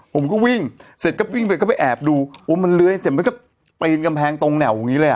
ผมก็วิ่งเสร็จก็วิ่งไปก็ไปแอบดูโอ้มันเลื้อยเสร็จมันก็ปีนกำแพงตรงแนวอย่างนี้เลยอ่ะ